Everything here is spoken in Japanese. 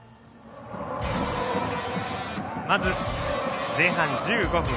まず、前半１５分